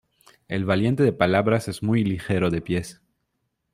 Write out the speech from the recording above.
El valiente de palabras es muy ligero de pies.